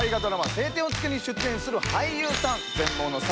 「青天を衝け」に出演する俳優さんさあ